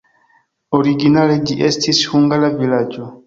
Originale ĝi estis hungara vilaĝo.